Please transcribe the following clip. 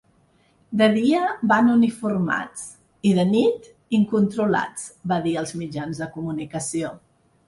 De dia van uniformats i de nit incontrolats, va dir als mitjans de comunicació.